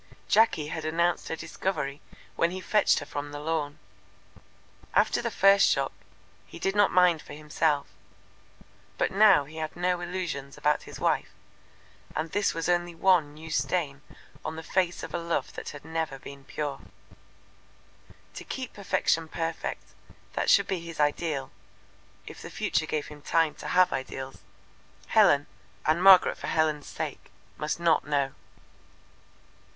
Jacky had announced her discovery when he fetched her from the lawn. After the first shock, he did not mind for himself. By now he had no illusions about his wife, and this was only one new stain on the face of a love that had never been pure. To keep perfection perfect, that should be his ideal, if the future gave him time to have ideals. Helen, and Margaret for Helen's sake, must not know.